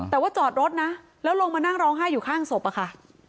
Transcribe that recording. แต่ว่าจอดรถนะแล้วลงมานั่งร้องไห้อยู่ข้างศพอะค่ะ